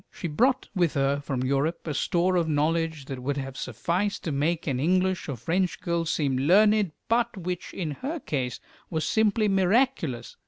She brought with her from Europe a store of knowledge that would have sufficed to make an English or French girl seem learned, but which in her case was simply miraculous.